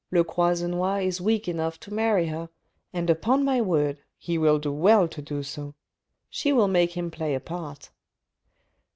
... Le Croisenois is weak enough to marry her, and upon my word, he will do well to do so. She will make him play a part.